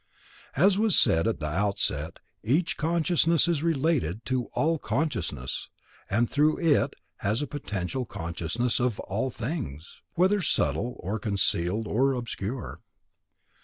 As was said at the outset, each consciousness is related to all consciousness; and, through it, has a potential consciousness of all things; whether subtle or concealed or obscure.